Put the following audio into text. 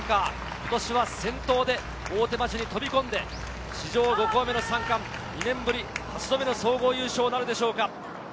今年は先頭で大手町に飛び込んで史上５校目の３冠、２年ぶり８度目の総合優勝なるでしょうか。